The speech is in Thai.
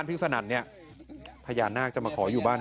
พี่มีอาการป่วยไข้นะ